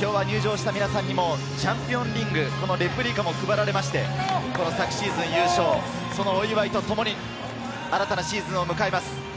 今日は入場した皆さんにもチャンピオンリング、レプリカも配られまして、昨シーズン優勝、そのお祝いとともに新たなシーズンを迎えます。